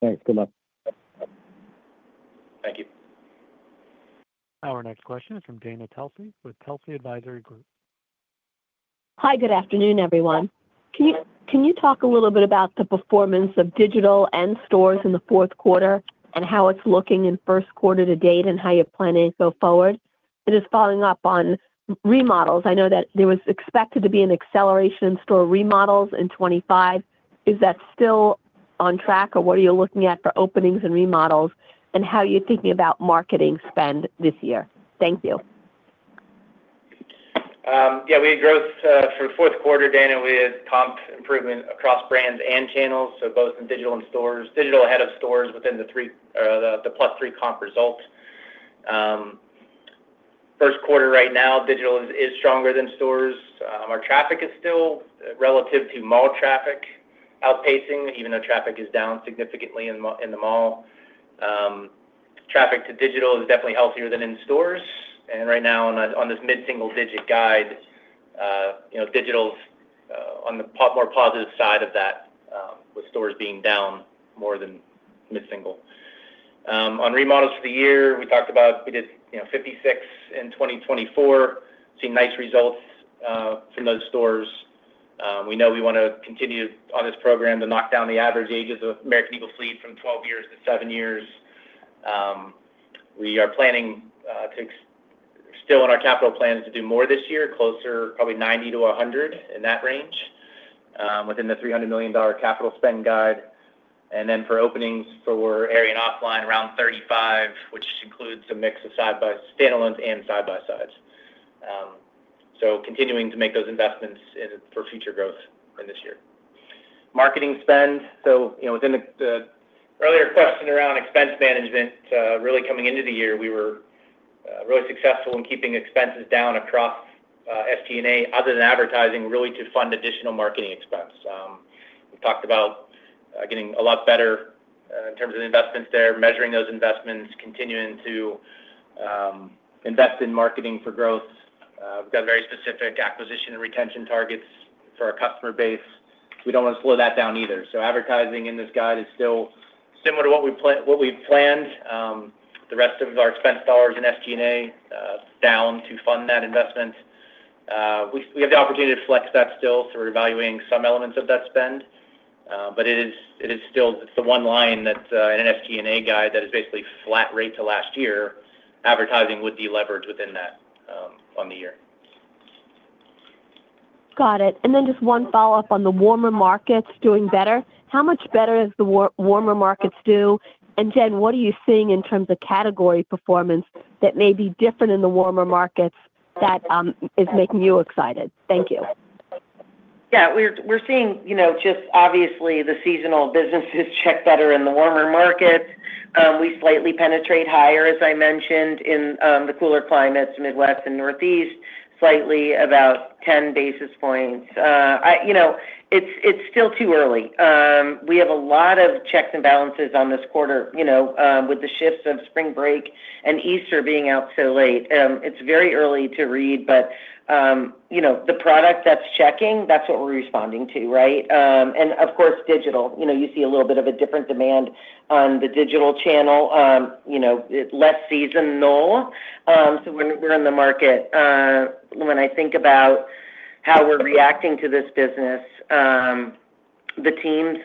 Thanks. Good luck. Thank you. Our next question is from Dana Telsey with Telsey Advisory Group. Hi, good afternoon, everyone. Can you talk a little bit about the performance of digital and stores in the fourth quarter and how it's looking in first quarter to date and how you're planning to go forward? It is following up on remodels. I know that there was expected to be an acceleration in store remodels in 2025. Is that still on track, or what are you looking at for openings and remodels, and how are you thinking about marketing spend this year? Thank you. Yeah. We had growth for the fourth quarter, Dana, with comp improvement across brands and channels, both in digital and stores. Digital ahead of stores within the plus 3% comp result. First quarter right now, digital is stronger than stores. Our traffic is still relative to mall traffic outpacing, even though traffic is down significantly in the mall. Traffic to digital is definitely healthier than in stores. Right now, on this mid-single digit guide, digital's on the more positive side of that, with stores being down more than mid-single. On remodels for the year, we talked about we did 56 in 2024. Seen nice results from those stores. We know we want to continue on this program to knock down the average ages of American Eagle fleet from 12 years to 7 years. We are planning to still in our capital plans to do more this year, closer probably 90-100 in that range within the $300 million capital spend guide. For openings for Aerie and OFFLINE, around 35, which includes a mix of standalones and side-by-sides. Continuing to make those investments for future growth in this year. Marketing spend. Within the earlier question around expense management, really coming into the year, we were really successful in keeping expenses down across SG&A other than advertising, really to fund additional marketing expense. We've talked about getting a lot better in terms of investments there, measuring those investments, continuing to invest in marketing for growth. We've got very specific acquisition and retention targets for our customer base. We don't want to slow that down either. Advertising in this guide is still similar to what we've planned. The rest of our expense dollars in SG&A down to fund that investment. We have the opportunity to flex that still, so we're evaluating some elements of that spend. It is still the one line that in an SG&A guide that is basically flat rate to last year, advertising would be leveraged within that on the year. Got it. Just one follow-up on the warmer markets doing better. How much better is the warmer markets do? Jen, what are you seeing in terms of category performance that may be different in the warmer markets that is making you excited? Thank you. Yeah. We're seeing just obviously the seasonal businesses check better in the warmer markets. We slightly penetrate higher, as I mentioned, in the cooler climates, Midwest and Northeast, slightly about 10 basis points. It's still too early. We have a lot of checks and balances on this quarter with the shifts of spring break and Easter being out so late. It's very early to read, but the product that's checking, that's what we're responding to, right? Of course, digital. You see a little bit of a different demand on the digital channel, less seasonal. We're in the market. When I think about how we're reacting to this business, the teams,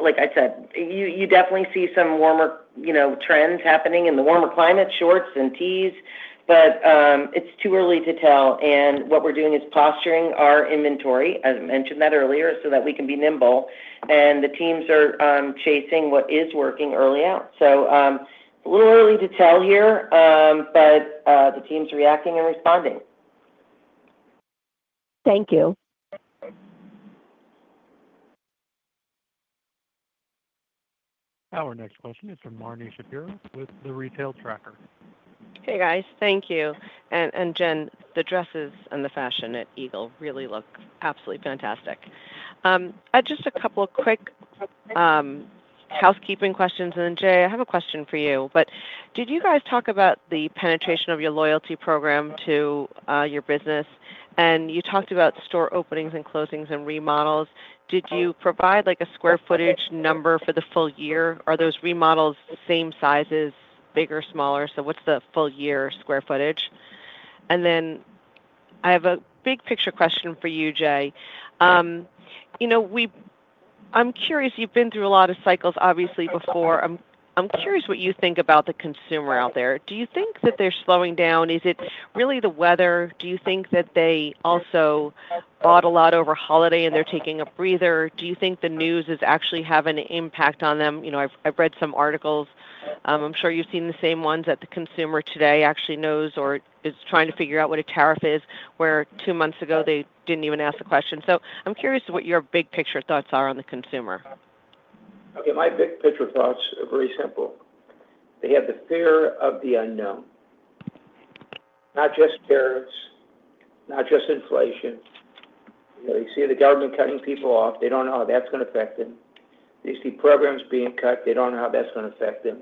like I said, you definitely see some warmer trends happening in the warmer climate, shorts and tees, but it's too early to tell. What we're doing is posturing our inventory, as I mentioned that earlier, so that we can be nimble. The teams are chasing what is working early out. A little early to tell here, but the team's reacting and responding. Thank you. Our next question is from Marnie Shapiro with The Retail Tracker. Hey, guys. Thank you. And Jen, the dresses and the fashion at Eagle really look absolutely fantastic. Just a couple of quick housekeeping questions. Jay, I have a question for you, but did you guys talk about the penetration of your loyalty program to your business? You talked about store openings and closings and remodels. Did you provide a square footage number for the full year? Are those remodels same sizes, bigger, smaller? What is the full year square footage? I have a big picture question for you, Jay. I'm curious. You have been through a lot of cycles, obviously, before. I'm curious what you think about the consumer out there. Do you think that they are slowing down? Is it really the weather? Do you think that they also bought a lot over holiday and they are taking a breather? Do you think the news is actually having an impact on them? I've read some articles. I'm sure you've seen the same ones that the consumer today actually knows or is trying to figure out what a tariff is, where two months ago they didn't even ask the question. I'm curious what your big picture thoughts are on the consumer. Okay. My big picture thoughts are very simple. They have the fear of the unknown. Not just tariffs, not just inflation. They see the government cutting people off. They do not know how that is going to affect them. They see programs being cut. They do not know how that is going to affect them.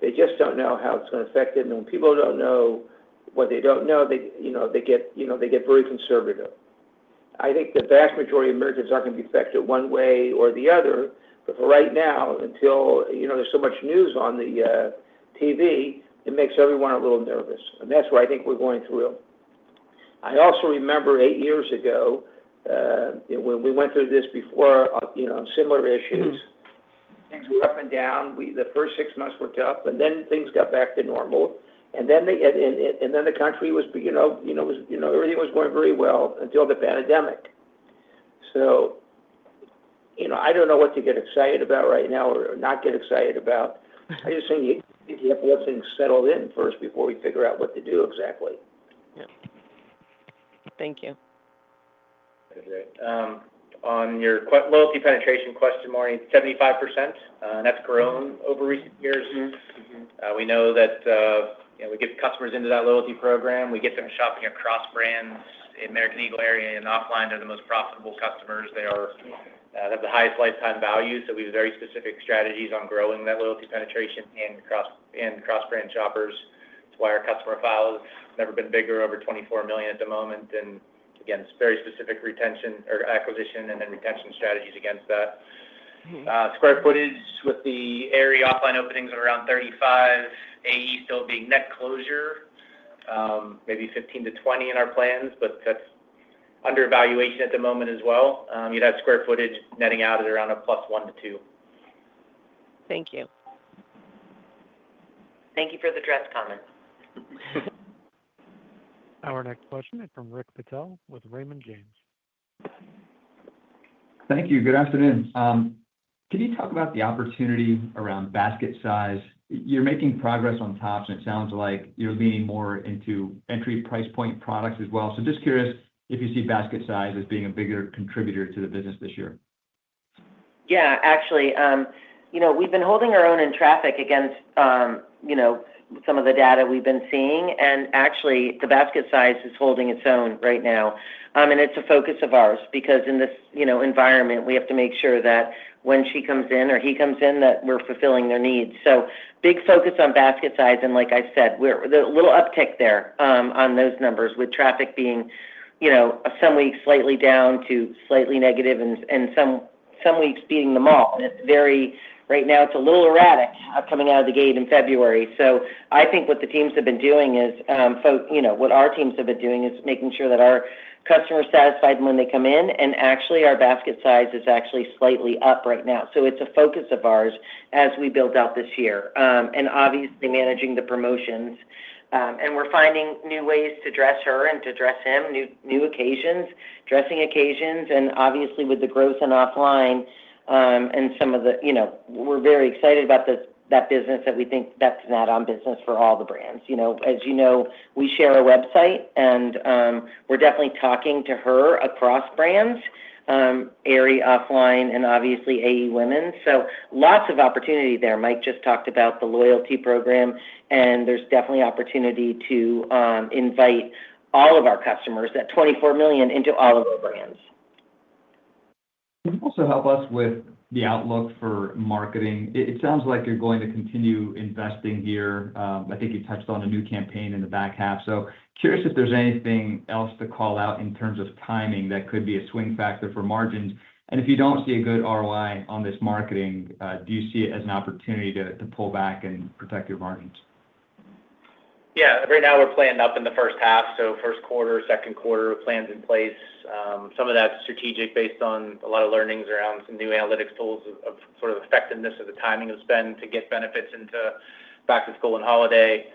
They just do not know how it is going to affect them. When people do not know what they do not know, they get very conservative. I think the vast majority of Americans are going to be affected one way or the other, but for right now, until there is so much news on the TV, it makes everyone a little nervous. That is where I think we are going through. I also remember eight years ago when we went through this before on similar issues. Things were up and down. The first six months were tough, and then things got back to normal. The country was everything was going very well until the pandemic. I do not know what to get excited about right now or not get excited about. I just think you have to let things settle in first before we figure out what to do exactly. Yeah. Thank you. On your loyalty penetration question, Marni, 75%. That's grown over recent years. We know that we get customers into that loyalty program. We get them shopping across brands. American Eagle, Aerie, and OFFLINE are the most profitable customers. They have the highest lifetime value. We have very specific strategies on growing that loyalty penetration and cross-brand shoppers. It's why our customer file has never been bigger, over 24 million at the moment. Again, it's very specific acquisition and then retention strategies against that. Square footage with the Aerie Offline openings are around 35, AE still being net closure, maybe 15-20 in our plans, but that's under evaluation at the moment as well. You'd have square footage netting out at around a plus one to two. Thank you. Thank you for the dress comment. Our next question is from Rick Patel with Raymond James. Thank you. Good afternoon. Could you talk about the opportunity around basket size? You're making progress on tops, and it sounds like you're leaning more into entry price point products as well. Just curious if you see basket size as being a bigger contributor to the business this year. Yeah. Actually, we've been holding our own in traffic against some of the data we've been seeing. Actually, the basket size is holding its own right now. It's a focus of ours because in this environment, we have to make sure that when she comes in or he comes in, that we're fulfilling their needs. Big focus on basket size. Like I said, the little uptick there on those numbers with traffic being some weeks slightly down to slightly negative and some weeks beating them all. Right now, it's a little erratic coming out of the gate in February. I think what the teams have been doing is what our teams have been doing is making sure that our customers are satisfied when they come in. Actually, our basket size is actually slightly up right now. It is a focus of ours as we build out this year and obviously managing the promotions. We are finding new ways to dress her and to dress him, new dressing occasions. Obviously, with the growth in OFFLINE and some of the we are very excited about that business that we think that is not on business for all the brands. As you know, we share a website, and we are definitely talking to her across brands, Aerie, OFFLINE and obviously AE women. Lots of opportunity there. Mike just talked about the loyalty program, and there is definitely opportunity to invite all of our customers, that 24 million, into all of our brands. Can you also help us with the outlook for marketing? It sounds like you're going to continue investing here. I think you touched on a new campaign in the back half. Curious if there's anything else to call out in terms of timing that could be a swing factor for margins. If you don't see a good ROI on this marketing, do you see it as an opportunity to pull back and protect your margins? Yeah. Right now, we're planned up in the first half. First quarter, second quarter, plans in place. Some of that's strategic based on a lot of learnings around some new analytics tools of sort of effectiveness of the timing of spend to get benefits into back to school and holiday.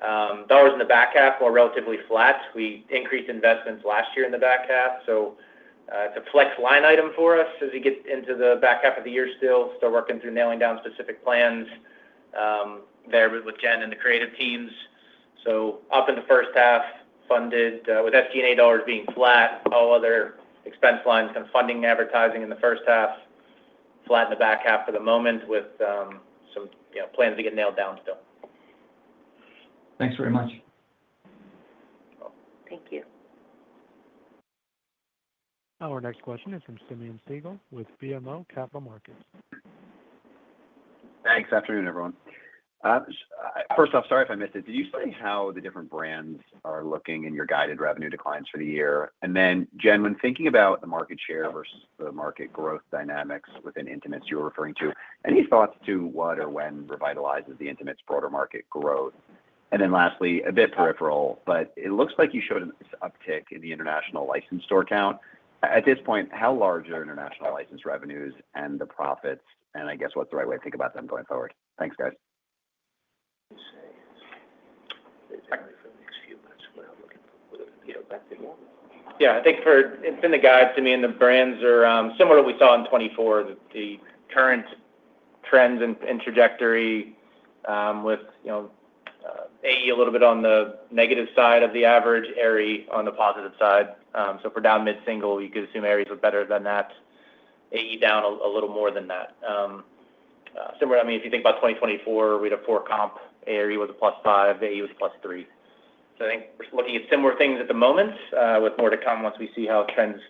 Dollars in the back half are relatively flat. We increased investments last year in the back half. It is a flex line item for us as we get into the back half of the year still. Still working through nailing down specific plans there with Jen and the creative teams. Up in the first half, funded with SG&A dollars being flat, all other expense lines, kind of funding and advertising in the first half, flat in the back half for the moment with some plans to get nailed down still. Thanks very much. Thank you. Our next question is from Simeon Siegel with BMO Capital Markets. Thanks. Afternoon, everyone. First off, sorry if I missed it. Did you say how the different brands are looking in your guided revenue declines for the year? Jen, when thinking about the market share versus the market growth dynamics within Intimates you were referring to, any thoughts to what or when revitalizes the Intimates broader market growth? Lastly, a bit peripheral, but it looks like you showed an uptick in the international license store count. At this point, how large are international license revenues and the profits? I guess what's the right way to think about them going forward? Thanks, guys. Exactly for the next few months when I'm looking forward. Back to you, Marnie. Yeah. I think for it's in the guide, Simeon, the brands are similar to what we saw in 2024, the current trends and trajectory with AE a little bit on the negative side of the average, Aerie on the positive side. For down mid-single, you could assume Aerie's look better than that. AE down a little more than that. Similar, I mean, if you think about 2024, we'd have four-comp Aerie with a plus five. AE was a plus three. I think we're looking at similar things at the moment with more to come once we see how trends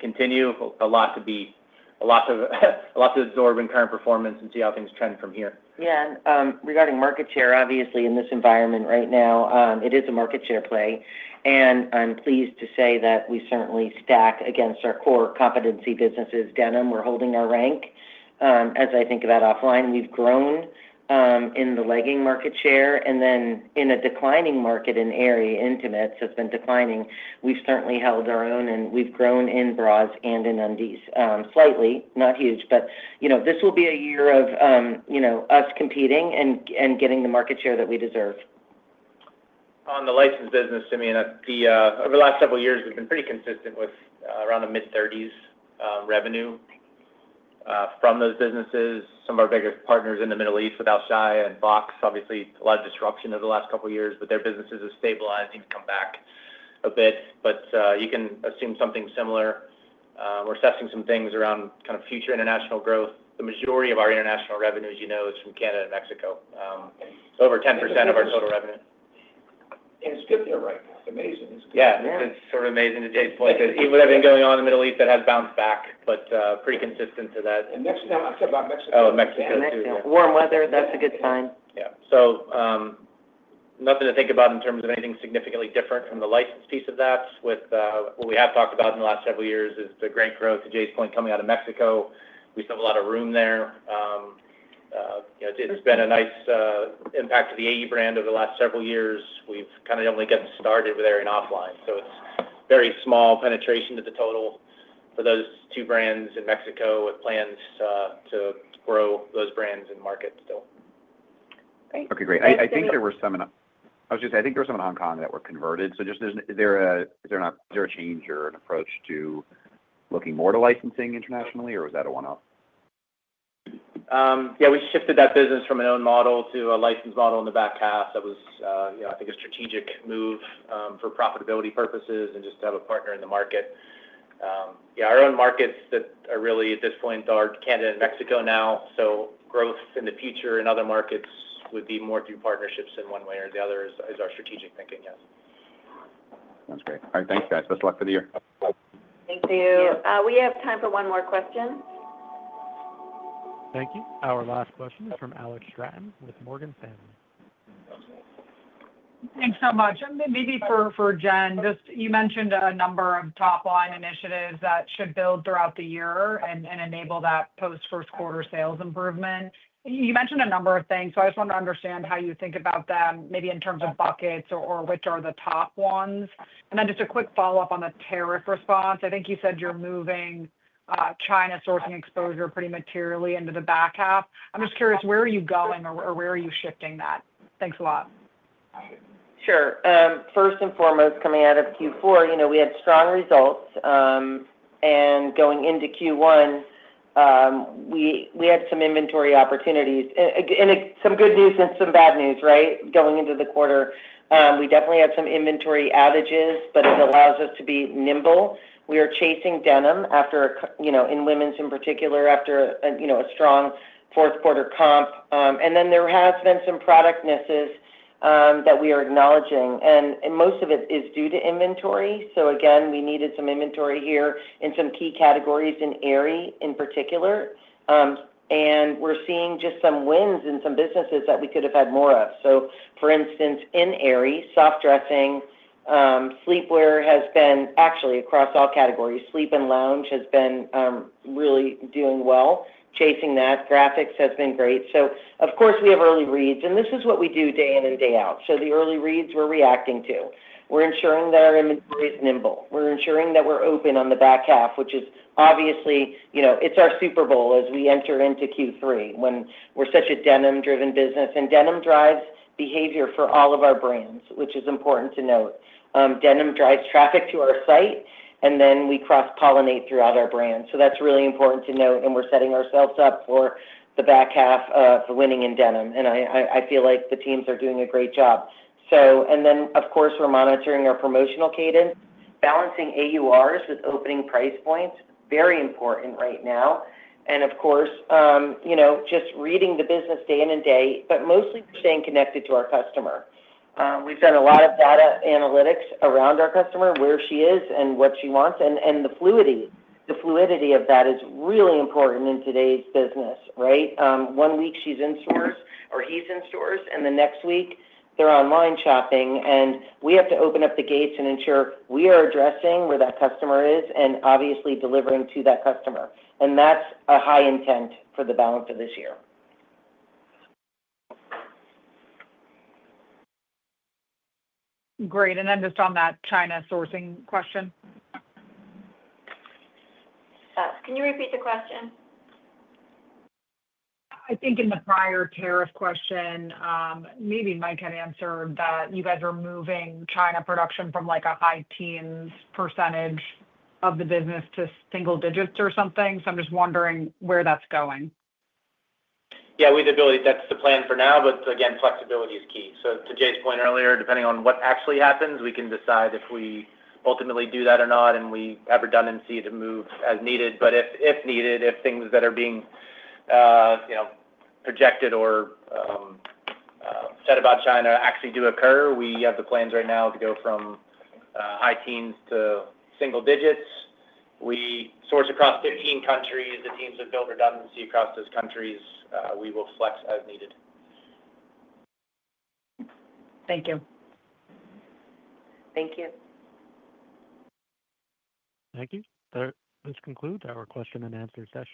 continue. A lot to be a lot to absorb in current performance and see how things trend from here. Yeah. Regarding market share, obviously, in this environment right now, it is a market share play. I'm pleased to say that we certainly stack against our core competency businesses, denim. We're holding our rank as I think about OFFLINE. We've grown in the legging market share. In a declining market, in Aerie, intimates has been declining. We've certainly held our own, and we've grown in bras and in undies slightly, not huge. This will be a year of us competing and getting the market share that we deserve. On the license business, Simeon, over the last several years, we've been pretty consistent with around the mid-30% revenue from those businesses. Some of our biggest partners in the Middle East with Al Shaya and Fox, obviously, a lot of disruption over the last couple of years, but their businesses are stabilizing to come back a bit. You can assume something similar. We're assessing some things around kind of future international growth. The majority of our international revenue, as you know, is from Canada and Mexico. Over 10% of our total revenue. It's good there right now. It's amazing. It's good. Yeah. It's sort of amazing to Jay's point. Even with everything going on in the Middle East, that has bounced back, but pretty consistent to that. Next time, I'm talking about Mexico. Oh, Mexico. Warm weather, that's a good sign. Yeah. Nothing to think about in terms of anything significantly different from the license piece of that. What we have talked about in the last several years is the great growth, to Jay's point, coming out of Mexico. We still have a lot of room there. It's been a nice impact to the AE brand over the last several years. We've kind of only gotten started with Aerie and Offline. It's very small penetration to the total for those two brands in Mexico with plans to grow those brands and market still. Great. Okay. Great. I think there were some in, I was going to say, I think there were some in Hong Kong that were converted. Just, is there a change or an approach to looking more to licensing internationally, or was that a one-off? Yeah. We shifted that business from an own model to a licensed model in the back half. That was, I think, a strategic move for profitability purposes and just to have a partner in the market. Yeah. Our own markets that are really at this point are Canada and Mexico now. Growth in the future in other markets would be more through partnerships in one way or the other is our strategic thinking, yes. Sounds great. All right. Thanks, guys. Best of luck for the year. Thank you. We have time for one more question. Thank you. Our last question is from Alex Stratton with Morgan Stanley. Thanks so much. Maybe for Jen, just you mentioned a number of top-line initiatives that should build throughout the year and enable that post-first quarter sales improvement. You mentioned a number of things, so I just want to understand how you think about them maybe in terms of buckets or which are the top ones. Just a quick follow-up on the tariff response. I think you said you're moving China sourcing exposure pretty materially into the back half. I'm just curious, where are you going or where are you shifting that? Thanks a lot. Sure. First and foremost, coming out of Q4, we had strong results. Going into Q1, we had some inventory opportunities and some good news and some bad news, right, going into the quarter. We definitely had some inventory outages, but it allows us to be nimble. We are chasing denim after, in women's in particular, after a strong fourth quarter comp. There have been some product misses that we are acknowledging. Most of it is due to inventory. Again, we needed some inventory here in some key categories in Aerie in particular. We are seeing just some wins in some businesses that we could have had more of. For instance, in Aerie, soft dressing, sleepwear has been actually across all categories. Sleep and lounge has been really doing well, chasing that. Graphics has been great. Of course, we have early reads. This is what we do day in and day out. The early reads we're reacting to. We're ensuring that our inventory is nimble. We're ensuring that we're open on the back half, which is obviously it's our Super Bowl as we enter into Q3 when we're such a denim-driven business. Denim drives behavior for all of our brands, which is important to note. Denim drives traffic to our site, and then we cross-pollinate throughout our brand. That's really important to note. We're setting ourselves up for the back half of winning in denim. I feel like the teams are doing a great job. Of course, we're monitoring our promotional cadence, balancing AURs with opening price points. Very important right now. Of course, just reading the business day in and day out, but mostly staying connected to our customer. We've done a lot of data analytics around our customer, where she is and what she wants. The fluidity of that is really important in today's business, right? One week she's in stores or he's in stores, and the next week they're online shopping. We have to open up the gates and ensure we are addressing where that customer is and obviously delivering to that customer. That's a high intent for the balance of this year. Great. Just on that China sourcing question. Can you repeat the question? I think in the prior tariff question, maybe Mike had answered that you guys are moving China production from a high teens percentage of the business to single digits or something. I am just wondering where that's going. Yeah. That's the plan for now. Again, flexibility is key. To Jay's point earlier, depending on what actually happens, we can decide if we ultimately do that or not. We have redundancy to move as needed. If things that are being projected or said about China actually do occur, we have the plans right now to go from high teens to single digits. We source across 15 countries. The teams have built redundancy across those countries. We will flex as needed. Thank you. Thank you. Thank you. That concludes our question and answer session.